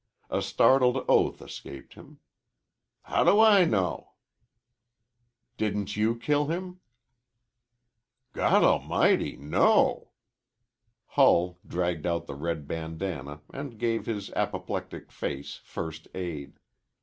A startled oath escaped him. "How do I know?" "Didn't you kill him?" "Goddlemighty, no!" Hull dragged out the red bandanna and gave his apoplectic face first aid.